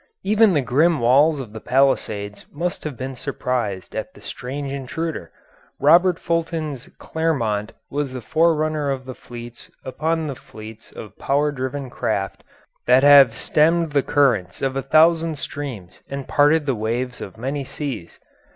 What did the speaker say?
Even the grim walls of the Palisades must have been surprised at the strange intruder. Robert Fulton's Clermont was the forerunner of the fleets upon fleets of power driven craft that have stemmed the currents of a thousand streams and parted the waves of many seas.